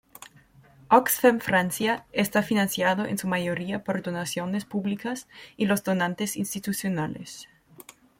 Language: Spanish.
Oxfam Francia está financiado en su mayoría por donaciones públicas y los donantes institucionales.